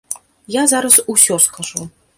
Я зараз усё скажу.